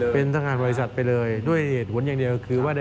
เป็นพนักงานบริษัทไปเลย